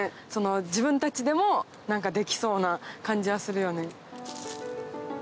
自分たちでもできそうな感じはするよね。